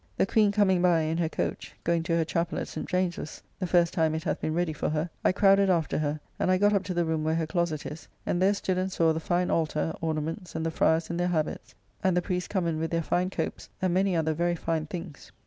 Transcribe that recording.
The Queen coming by in her coach, going to her chappell at St. James's' (the first time it hath been ready for her), I crowded after her, and I got up to the room where her closet is; and there stood and saw the fine altar, ornaments, and the fryers in their habits, and the priests come in with their fine copes and many other very fine things.